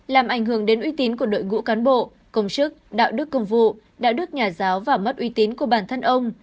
làm ảnh hưởng đến uy tín của đội ngũ cán bộ công chức đạo đức công vụ đạo đức nhà giáo và mất uy tín của bản thân ông